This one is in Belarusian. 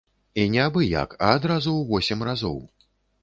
І не абы як, а адразу ў восем разоў.